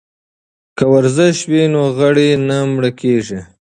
که ورزش وي نو غړي نه مړه کیږي.